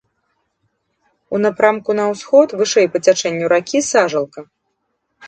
У напрамку на ўсход, вышэй па цячэнню ракі, сажалка.